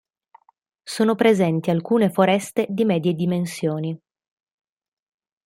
Sono presenti alcune foreste di medie dimensioni.